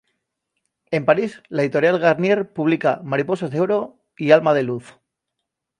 En París la editorial Garnier publica "Mariposas de oro" y "Alma de luz".